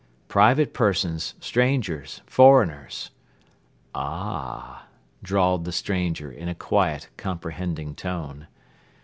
Private persons, strangers, foreigners ..." "A h," drawled the stranger in a quiet, comprehending tone.